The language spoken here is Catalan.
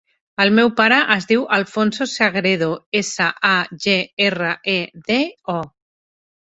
El meu pare es diu Alfonso Sagredo: essa, a, ge, erra, e, de, o.